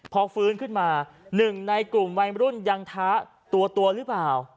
พอฟื้นขึ้นมาหนึ่งในกลุ่มวัยรุ่นยังท้าตัวหรือเปล่า